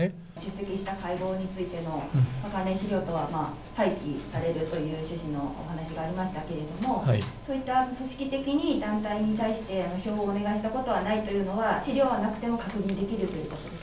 出席した会合についても、関連資料等は廃棄されるという趣旨のお話をされましたけれども、そういった組織的に、団体に対して、票をお願いしたことはないというのは、資料はなくても、確認できるということですか？